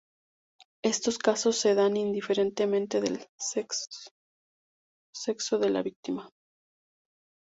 Estos casos se dan indiferentemente del sexo de la víctima.